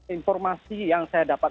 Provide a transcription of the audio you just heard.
informasi yang saya dapat